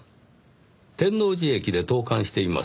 天王寺駅で投函しています。